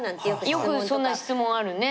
よくそんな質問あるね。